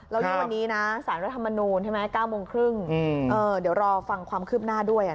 แล้วยิ่งวันนี้นะสารรัฐมนูลใช่ไหม๙โมงครึ่งเดี๋ยวรอฟังความคืบหน้าด้วย